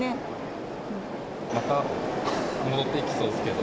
また戻ってきそうですけど。